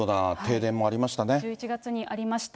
１１月にありました。